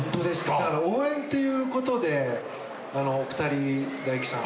だから応援っていう事でお二人大吉さん